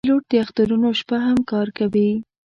پیلوټ د اخترونو شپه هم کار کوي.